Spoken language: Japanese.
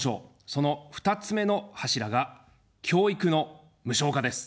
その２つ目の柱が、教育の無償化です。